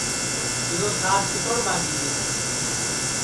یو ساج کِتوڑ ٻاجیرے ہے